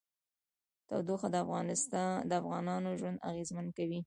تودوخه د افغانانو ژوند اغېزمن کوي.